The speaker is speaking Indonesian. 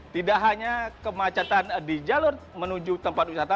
tidak hanya kemacetan di jalur menuju tempat wisata